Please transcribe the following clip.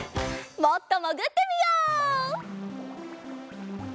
もっともぐってみよう！